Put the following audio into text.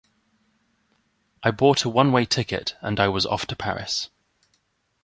I bought a one-way ticket and I was off to Paris.